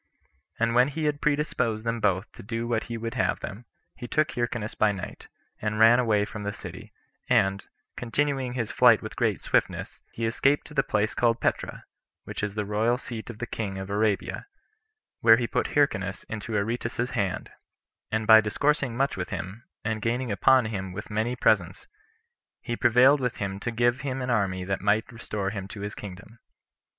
And when he had predisposed them both to do what he would have them, he took Hyrcanus by night, and ran away from the city, and, continuing his flight with great swiftness, he escaped to the place called Petra, which is the royal seat of the king of Arabia, where he put Hyrcanus into Aretas's hand; and by discoursing much with him, and gaining upon him with many presents, he prevailed with him to give him an army that might restore him to his kingdom.